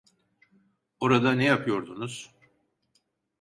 Orada ne yapıyordunuz?